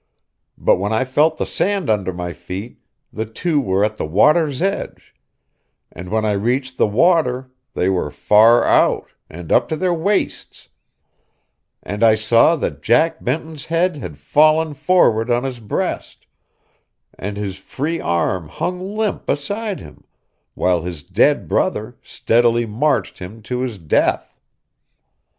But when I felt the sand under my feet, the two were at the water's edge; and when I reached the water they were far out, and up to their waists; and I saw that Jack Benton's head had fallen forward on his breast, and his free arm hung limp beside him, while his dead brother steadily marched him to his death.